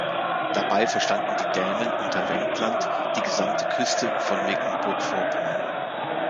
Dabei verstanden die Dänen unter Wendland die gesamte Küste von Mecklenburg-Vorpommern.